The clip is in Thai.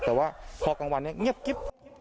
แต่ว่าพอกลางวันเนี่ยเงียบกิ๊บ